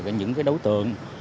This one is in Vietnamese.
những đấu tường